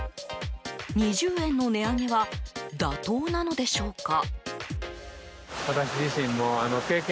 ２０円の値上げは妥当なのでしょうか。